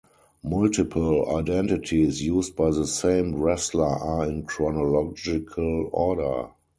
Multiple identities used by the same wrestler are in chronological order.